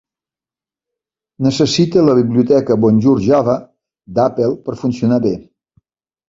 Necessita la biblioteca Bonjour Java d"Apple per funcionar bé.